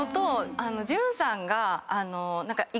潤さんが。